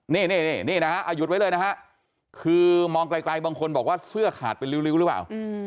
นี่นะฮะเอาหยุดไว้เลยนะฮะคือมองไกลบางคนบอกว่าเสื้อขาดเป็นริ้วหรือเปล่า